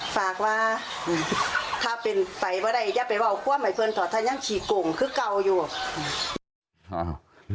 ฝากว่าถ้าเป็นไฟไม่ได้อย่าไปว่าข้อมัยเฟิร์นถอดท่านยังขี่กลงคือเก่าอยู่